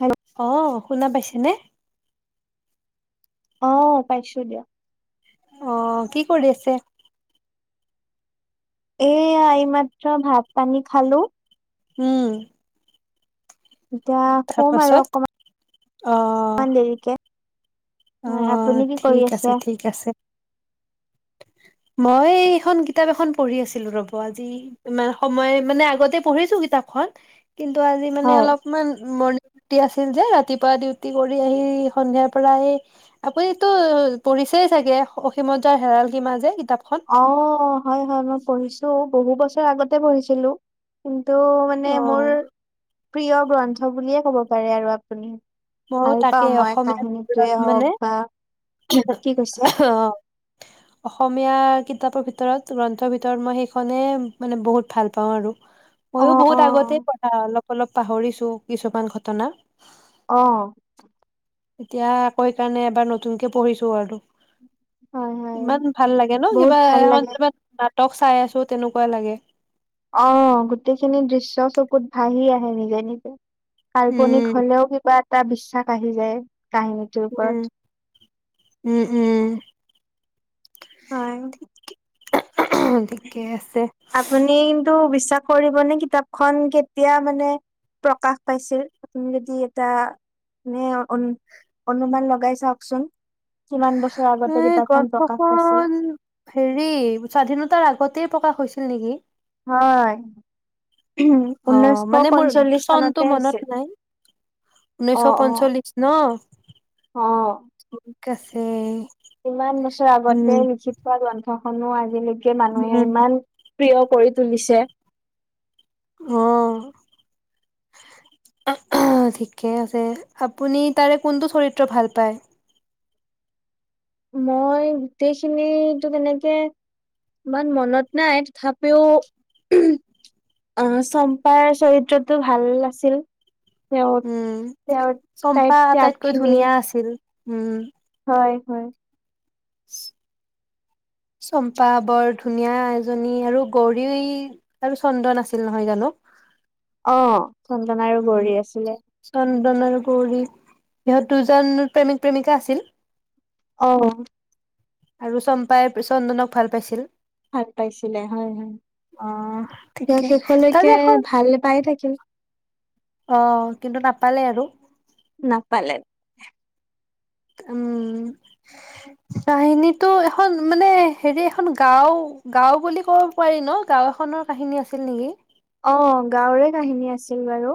হেল অ শুনা পাইছেনে? অ পাইছো দিয়া। অ কি কৰি আছে? এইয়া এইমাত্ৰ ভাত পানী খালো। হম। এতিয়া শুম আৰু তাৰপাছত অ অকমান দেৰিকে। আপুনি অ' কি কৰি ঠিক আছে, ঠিক আছে। [inaudible] মই এইখন কিতাপ এখন পঢ়ি আছিলো ৰ'ব আজি। ইমান সময় মানে আগতে পঢ়িছো কিতাপখন, কিন্তু আজি মানে হয়। অলপ মান মৰ্ণিং ডিউটি আছিল যে ৰাতিপুৱা ডিউটি কৰি আহি, সন্ধিয়াৰ পৰাই আপুনি ত পঢ়িছেই চাগে 'অসীমত যাৰ হেৰাল সীমা' যে কিতাপখন? অ' হয়' হয়' মই পঢ়িছো, বহু বছৰ আগতে পঢ়িছিলো, কিন্তু অ মানে মোৰ প্ৰিয় গ্ৰন্থ বুলিয়ে ক'ব পাৰে আৰু আপুনি। মইও ভাল তাকে পাওঁ মই অসমীয়া কাহিনীটোৱে মানে হওঁক বা, কি কৈছে? অ [inaudible] অসমীয়া কিতাপৰ ভিতৰত গ্ৰন্থৰ ভিতৰত, মই সেইখনে মানে বহুত ভাল পাওঁ আৰু। [inaudible] মইয়ো বহুত আগতেই অ', পঢ়া অলপ অলপ পাহৰিছো কিছুমান ঘটনা। অ এতিয়া কয় কাৰণে এবাৰ নতুনকে পঢ়িছো আৰু। হয় হয়। ইমান ভাল লাগে ন বহুত কিবা ভাল এখন লাগে। কিবা নাটক চাই আছো তেনেকুৱা লাগে। অ গোটেইখিনি দৃশ্য চকুত ভাহি আহে নিজে নিজে। কাল্পনিক উম হ'লেও কিবা এটা বিশ্বাস আহি যায় কাহিনী উম উম উম হয়। ঠিকে আছে। আপুনি কিন্তু বিশ্বাস কৰিবনে কিতাপখন কেতিয়া মানে প্ৰকাশ পাইছিল, আপুনি যদি এটা নে অন অনুমান লগাই চাওকচোন। কিমান বছৰ আগতে এই কিতাপ খন প্ৰকাশ পাইছিল। গ্ৰন্থখন হেৰি স্বাধীনতাৰ আগতেই প্ৰকাশ হৈছিল নিকি। হয়। অ ঊনৈশ মানে মোৰ পঞ্চল্লিশ চনতে চনটো হৈছিল। মনত নাই। ঊনৈশ অ', অ'। পঞ্চল্লিশ ন অ', ঠিক আছে। ইমান বছৰ উম আগতে লিখি থোৱা গ্ৰন্থখনো আজিলৈকে মানুহে উম, ইমান প্ৰিয় কৰি তুলিছে। অ ঠিকে আছে, আপুনি তাৰে কোনটো চৰিত্ৰ ভাল পায়? মই গোটেইখিনিটো তেনেকে ইমান মনত নাই তথাপিও অ' চম্পাৰ চৰিত্ৰটো ভাল আছিল। তেওঁৰ উম তেওঁৰ তাইৰ চম্পা ত্যাগ আটাইতকৈ খিনি ধুনীয়া আছিল উম। হয় হয় [unintelligible] চম্পা বৰ ধুনীয়া এজনী আৰু গৌৰী আৰু চন্দন আছিল নহয় জানো অ চন্দন আৰু উম, গৌৰী আছিলে। চন্দন আৰু গৌৰী সিহঁত দুজন প্ৰেমিক প্ৰেমিকা আছিল। অ আৰু চম্পাই চন্দনক ভাল পাইছিল। ভাল পাইছিলে হয় হয়, অ', তেওঁ ঠিকে তাৰে শেষলৈকে এখন ভাল পাইয়ে থাকিল। অ' কিন্তু নাপালে আৰু। নাপালে। উম, কাহিনীটো এখন মানে হেৰি এখন গাওঁ গাঁও বুলি ক'ব পাৰি ন গাঁও এখনৰ কাহিনী আছিল নেকি অ', গাঁওৰে কাহিনী আছিল বাৰু,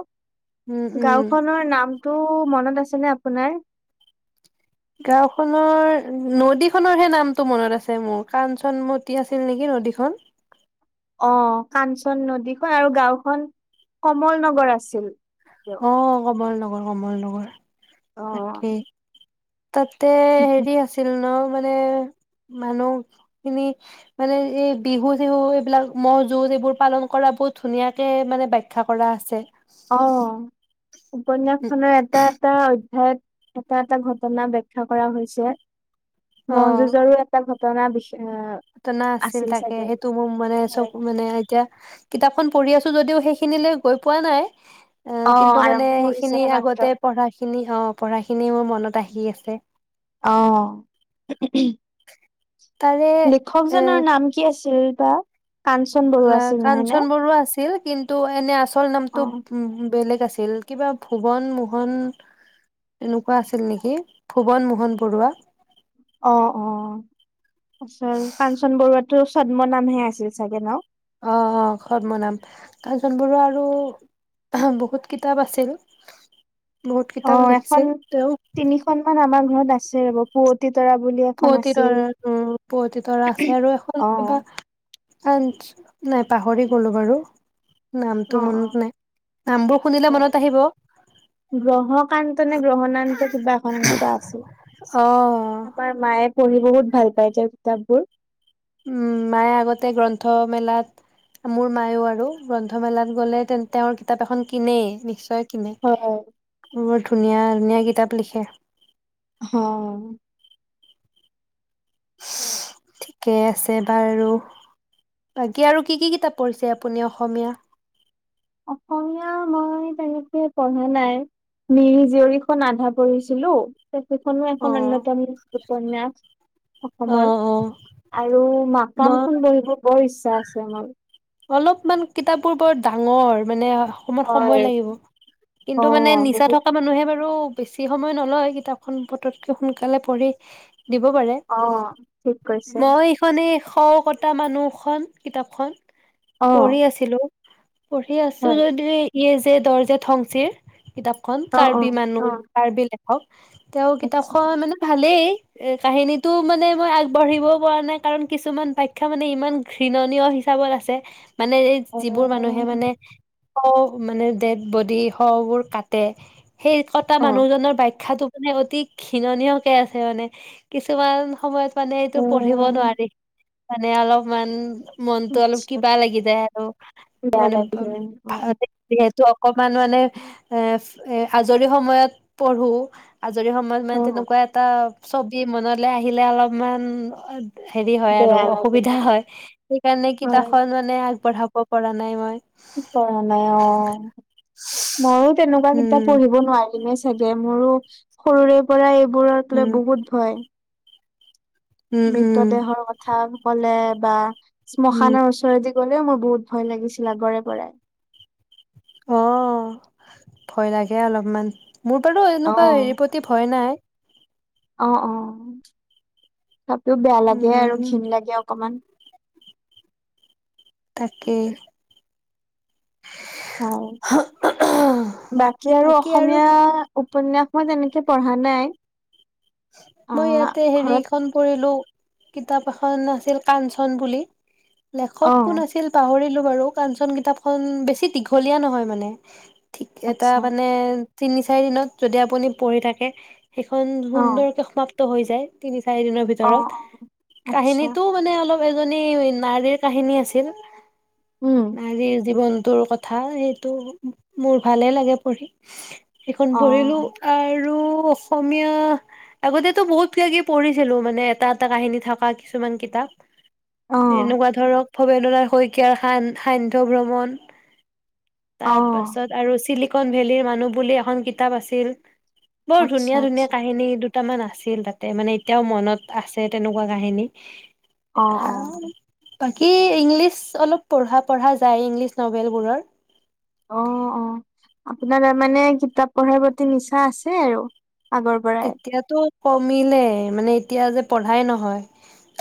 উম উম গাঁওখনৰ নাম টো মনত আছে নে আপোনাৰ? গাঁওখনৰ, নদীখনৰহে নামটো মনত আছে মোৰ কাঞ্চনমতী আছিল নেকি নদীখন। অ', কাঞ্চন নদীখন আৰু গাঁওখন কমল নগৰ আছিল। অ', কমল নগৰ কমল নগৰ তাকেই। তাতে হেৰি আছিল ন মানে মানুহখিনি মানে এই বিহু চিহু এইবিলাক, মহ' যুঁজ এইবোৰ পালন কৰা বহুত ধুনীয়াকে মানে বাখ খ্যা কৰা আছে। অঁ, উপন্যাসখনে এটা, এটা অধ্যায়ত এটা এটা ঘটনা ব্যাখ্যা কৰা হৈছে, ম'হ অ যুজৰো এটা ঘট টনা বিশে ঘটনা আছিল তাকে, সেইটো মোৰ মানে চ'ব হয় মানে এতিয়া কিতাপখন পঢ়ি আছো যদিও, সেইখিনিলৈ গৈ পোৱা নাই, অ' কিন্তু মানে আৰম্ভ সেইখিনি কৰিছেহে মাত্ৰ। আগতে পঢ়াখিনি অঁ পঢ়া খিনি মনত আহি আছে। অঁ উহু [unintelligible] তাৰে লিখক এ জনৰ নাম কি আছিল বা? কাঞ্চন বৰুৱা লে আছিল নহয় নে? কাঞ্চন বৰুৱা আছিল, কিন্তু এনে আচল নামটো অ' উম, বেলেগ আছিল। কিবা ভুৱন মোহন, এনেকুৱা আছিল নেকি, ভুৱন মোহন বৰুৱা। অঁ অঁ, কাঞ্চন বৰুৱাটো ছদ্ম নামহে আছিল চাগে ন'? অঁ, অঁ, ছদ্মনাম, কাঞ্চন বৰুৱা আৰু [unintelligible] বহুত কিতাপ আছিল, বহুত অ' কিতাপ এখন লিখিছিল তেওঁ। তিনিখন মান আমাৰ ঘৰত আছে, বও পুৱতি তৰা বুলি এ পুৱতি তৰা, অঁ, পুৱতি তৰা আছে আৰু এখন কিবা অ' আনচ, নাই পাহৰি গ'লোঁ বাৰু। নামটো অ' অ' মনত নাই, নামবোৰ শুনিলে হয়। মনত আহিব। গ্ৰহকান্ত নে, গ্ৰহনান্ত কিবা এখন এনেকুৱা আছিল, অ তাৰ পৰা মায়ে পঢ়ি বহুত ভাল পায়, তেওঁৰ কিতাপ বোৰ। উম, মায়ে আগতে গ্ৰন্থমেলাত মোৰ মায়ো আৰু গ্ৰন্থমেলাত গ'লে তে, তেওঁৰ কিতাপ এখন কিনেই, নিশ্চয় কিনে, হয়। বৰ ধুনীয়া, ধুনীয়া কিতাপ লিখে। হঁ ঠিকে আছে বাৰু বাকী আৰু কি কি কিতাপ পঢ়িছে আপুনি অসমীয়া? অসমীয়া মই তেনেকে পঢ়া নাই। মিৰি জীয়ৰীখন আধা পঢ়িছিলো। তে সেইখনো অ এখন অন্যতম উপন্যাস। অ অসমৰ অ আৰু মাকাম মই খন পঢ়িব বৰ ইচ্ছা আছে মোৰ। অলপ মান কিতাপবোৰ বৰ ডাঙৰ মানে অকমান হয় সময় লাগিব কিন্তু মানে অ', নিচা বহুত থকা মানুহে বাৰু বেছি সময় নলয়, কিতাপখন পতকে সোনকালে পঢ়ি দিব পাৰে অ', ঠিক কৈছে মই মানে শ' কটা মানুহখন কিতাপখন পঢ়ি অ', আছিলো পঢ়ি আছো হয় যদি য়েছে দৰজে ঠংচিৰ কিতাপখন অ', কাৰ্বি অ', মানুহ অ'। কাৰ্বি লেখক তেওঁ আচ্ছা কিতাপখন মানে ভালেই এ কাহিনীটো মানে মই আগবাঢ়িব পৰা নাই, কাৰণ কিছুমান বাখ্যা মানে ইমান ঘৃণণীয় হিচাপত আছে, মানে এই অ', যিবোৰ মানুহে মানে শ' মানে ডেড বডি শৱবোৰ কাটে সেই কটা অ', মানুহজনৰ বাখ্যাটো মানে অতি ঘৃণণীয়কে আছে মানে কিছুমান সময়ত মানে এইটো পঢ়িব অ', নোৱাৰি। মানে অলপমান মনতো অলপ আচ্ছা। কিবা লাগি যায় আৰু বেয়া মানে, ভ লাগি যায় অ ভাবি যিহেতু অকমান মানে এ এ আজৰি সময়ত পঢ়ো। আজৰি সময়ত মানে অ, তেনেকুৱা এটা ছবি মনলে আহিলে অলপমান- হেৰি হয় আৰু বেয়া লাগি অসুবিধা যায় হয় সেইকাৰণে হয় কিতাপখন মানে আগবঢ়াব পৰা নাই মই। পৰা নাই অ ময়ো তেনেকুৱা কিতাপ উম পঢ়িব নোৱাৰিম। জানাই চাগে মোৰো সৰুৰে পৰা এইবোৰক লৈ উম বহুত ভয়। উম, উম, মৃতদেহৰ কথা ক'লে বা উম, শ্মশানৰ ওচৰেদি ওচৰেদি গ'লেও মোৰ বহুত ভয় লাগিছিল আগৰে পৰাই। অ ভয় লাগে অলপমান মোৰ বাৰু অ এনেকুৱা হেৰি প্ৰ প্ৰতি ভয় নাই। অ অ তথাপিও বেয়া লাগে আৰু উম, ঘিণ লাগে অকণমান। তাকে হয় বাকী আৰু অসমীয়া উপন্যাস মই তেনেকে পঢ়া নাই। মই আহ ইয়াতে ঘৰত হেৰিখন পঢ়িলো- কিতাপ এখন আছিল কাঞ্চন বুলি অ লেখক কোন আছিল আছিল পাহৰিলো বাৰু কাঞ্চন কিতাপখন বেছি দীঘলীয়া নহয় মানে। ঠিক এটা আচ্ছা মানে তিনি চাৰি দিনত যদি আপুনি পঢ়ি থাকে সেইখন অ সুন্দৰকে সমাপ্ত হৈ যায় তিনি চাৰি দিনৰ অ', অ', ভিতৰত আচ্ছা, কাহিনীটো মানে অলপ এজনী নাৰীৰ কাহিনী আছিল। উম নাৰীৰ জীৱনটোৰ কথা সেইটো মোৰ ভালে লাগে পঢ়ি। সেইখন পঢ়িলো অ', আৰু অসমীয়া আগতেতো বহুত কিবা কিবি পঢ়িছিলো মানে এটা এটা কাহিনী থকা কিছুমান কিতাপ। অ', এনেকুৱা ধৰক ভবেন্দ্ৰনাথ শইকীয়াৰ সান্ধ্য ভ্ৰমণ। তাৰ অ', পাছত আৰু চিলিকন ভেলীৰ মানুহ বুলি এখন কিতাপ আছিল। বৰ আচ্ছা, ধুনীয়া ধুনীয়া আচ্ছা, কাহিনীৰ দুটামান আছিল তাতে মানে এতিয়াও মনত আছে তেনেকুৱা কাহিনী। অ', অ', বাকী ইংলিছ অলপ পঢ়া যায় ইংলিছ নভেল বোৰৰ। অ', অ, আপোনাৰ তাৰ মানে কিতাপ পঢ়াৰ প্ৰতি নিছা আছে। আৰু আগৰ পৰাই, এতিয়াতো কমিলে মানে এতিয়া যে পঢ়াই নহয়।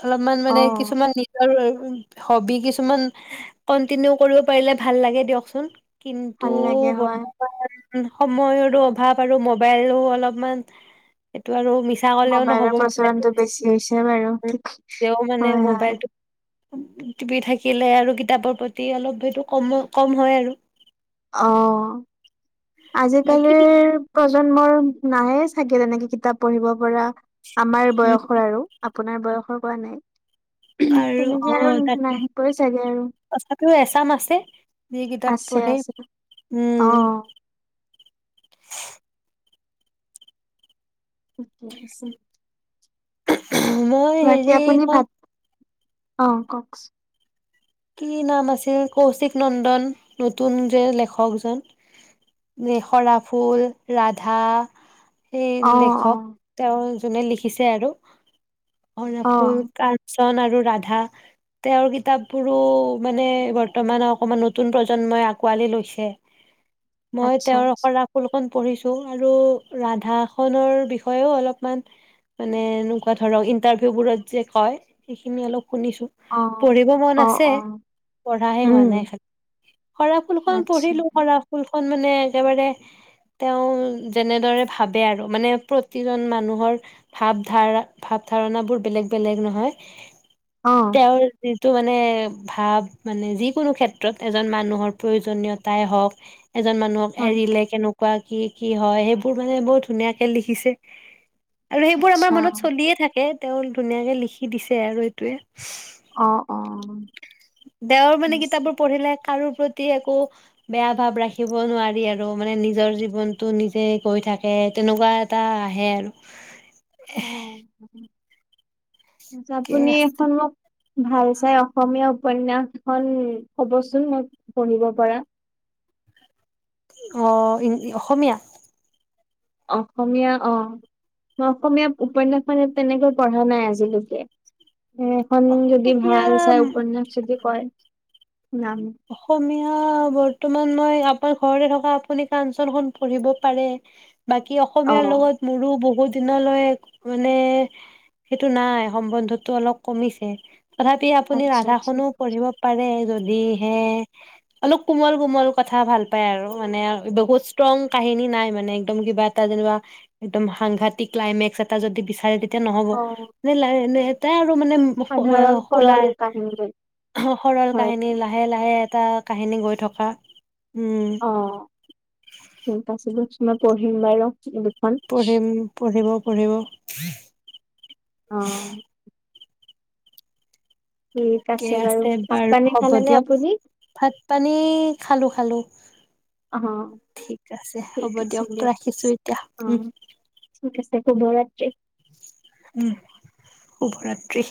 অলপমান মানে অ', কিছুমান নিজৰ হবি কিছুমান কন্টিনিউ কৰিব পাৰিলে ভাল লাগে। দিয়কচোন। কিন্তু, ভাল লাগে হয়, বৰ্তমান সময়ৰো অভাৱ আৰু মোবাইলো অলপমান সেইটো আৰু মিছা কলেও মোবাইলৰ নহব প্ৰচলনটো বেছি হৈছে বাৰু ঠিক, হয়, হয়, মবাইলটো টিভপ থাকিলে, আৰু কিতাপৰ প্ৰতি অলপ সেইটো কম কম হয়। আৰু অ', বাকী আজিকালিৰ প্ৰজন্মৰ নায়ে চাগে তেনেকে কিতাপ পঢ়িব পৰা আমাৰ উম বয়সৰ আৰু আপোনাৰ বয়সৰ কোৱা নাই। আৰু তেনেকে আৰু অ', তাকে নাহিবই চাগে আৰু তথাপিও এছাম আছে। এই কিতাপ আছে, পঢ়ে। আছে, উম অ' থিকে আছে। মই বাকী আপুনি হেৰিখন ভাত অ, কওকচোন কি নাম আছিল? কৌশিক নন্দন নতুন যে, লেখকজন সৰা ফুল, ৰাধা সেই অ অ লেখক তেওঁৰ যোনে লিখিছে আৰু অ অৰ্ণফুল ক ৰন আৰু ৰাধা তেওঁৰ কিতাপ বোৰো মানে বৰ্তমান অকমান নতুন প্ৰজন্মই আঁকোৱালি লৈছে। মই আচ্ছা তেওঁৰ পৰা স্কুলখন পঢ়িছো আৰু ৰাধাখনৰ বিষয়েও অলপমান মানে এনেকোৱা ধৰক ইন্টাৰভিউবোৰত যে কয় সেইখিনি অলপ শুনিছো। অ', পঢ়িব মন অহ আছে পঢ়াহে হোৱা নাই খালি সৰাফুল খন আচ্ছা পঢ়িলো সৰা ফুলখন মানে একেবাৰে তেওঁ যেনেদৰে ভাবে আৰু মানে প্ৰতিজন মানুহৰ ভাৱ ধাৰা ভাৱ ধাৰণাবোৰ বেলেগ বেলেগ নহয়। অ তেওঁৰ যিটো মানে ভাৱ মানে যিকোনো ক্ষেত্ৰত এজন মানুহৰ প্ৰয়োজনীয়তাই হওক এজন মানুহক হয় এৰিলে কেনেকোৱা কি কি হয়, সেইবোৰ মানে বহুত ধুনীয়াকে লিখিছে। আৰু সেইবোৰ আমাৰ আচ্ছা মনত চলিয়ে থাকে, তেওঁ ধুনীয়াকে লিখি দিছে আৰু সেইটোৱে। অ', অ তেওঁৰ ঠিক মানে আছে কিতাপবোৰ পঢ়িলে কাৰো প্ৰতি একো বেয়া ভাব ৰাখিব নোৱাৰি আৰু মানে নিজৰ জীৱনটো নিজে গৈ থাকে তেনেকোৱা এটা আহে আৰু। [inaudible] এহ ঠিকে আপুনি আছে। এখন মোক ভাল চাই অসমীয়া উপন্যাস এখন ক'ব চোন মই পঢ়িব পাৰা। অ', অসমীয়া? অসমীয়া অ মই অসমীয়া উপন্যাস মানে তেনেকৈ পঢ়া নাই। আজিলৈকে মানে এখন যদি অসমীয়া ভাল চাই উপন্যাস যদি কৰে নাম অসমীয়া বৰ্তমান মই আপোনাৰ ঘৰতে থকা আপুনি কাঞ্চনখন পঢ়িব পাৰে। বাকী অ অসমীয়াৰ লগত মোৰো বহুত দিনলৈ মানে সেইটো নাই সম্বন্ধটো অলপ কমিছে। তথাপি আপুনি আচ্ছা আচ্ছা ৰাধাখনো পঢ়িব পাৰে যদিহে অলপ কোমল কোমল কথা ভাল পায় আৰু মানে বহুত ষ্ট্ৰং কাহিনী নাই মানে একদম কিবা যেনা একদম সাংঘতিক ক্লাইমেক্স এটা যদি বিচাৰে এতিয়া নহ'ব অ', নে লা এ এটা তাই আৰু মানে সাধাৰণ খোলা সৰল কাহিনী সৰল হয়, কাহিনী লাহে লাহে এটা কাহিনী গৈ থকা উম অ ঠিক আছে বা মই পঢ়িম বাৰু। পঢ়িম পঢ়িব পঢ়িব অ ঠিক ঠিকে বাৰু আছে ভাত বাৰু পানী হ'ব খালেনে দিয়ক, আপুনি? ভাত পানী খালো খালো। অ', ঠিক আছে ঠিক হ'ব আছে দিয়ক ৰাখিছো এতিয়া উম অ', ঠিক আছে শুভৰাত্ৰি উ শুভৰাত্ৰি